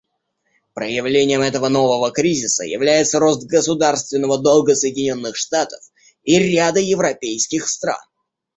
Проявлением этого нового кризиса является рост государственного долга Соединенных Штатов и ряда европейских стран.